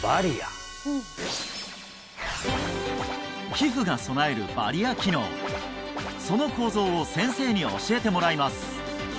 皮膚が備えるバリア機能その構造を先生に教えてもらいます